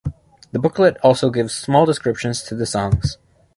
The booklet also gives small descriptions to the songs.